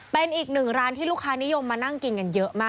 เป็นอีกหนึ่งร้านที่ลูกค้านิยมมานั่งกินกันเยอะมาก